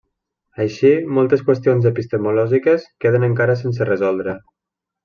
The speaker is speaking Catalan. Així moltes qüestions epistemològiques queden encara sense resoldre.